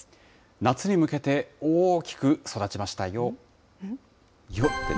夏に向けて大きく育ちましたよ。